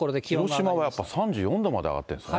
広島はやっぱり３５度まで上がっているんですね。